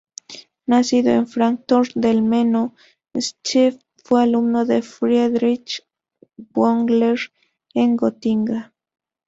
Nacido en Fráncfort del Meno, Schiff fue alumno de Friedrich Wöhler en Gotinga.